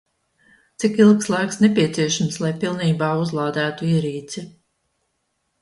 Cik ilgs laiks nepieciešams, lai pilnībā uzlādētu ierīci?